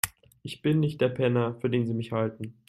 Ich bin nicht der Penner, für den Sie mich halten.